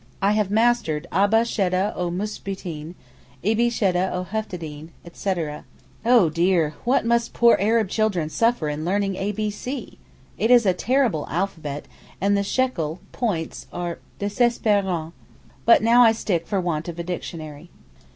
I have mastered Abba shedda o mus beteen—ibbi shedda o heftedeen, etc. Oh dear, what must poor Arab children suffer in learning ABC! It is a terrible alphabet, and the shekel (points) are désespérants; but now I stick for want of a dictionary.